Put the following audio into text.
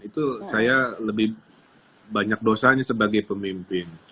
itu saya lebih banyak dosanya sebagai pemimpin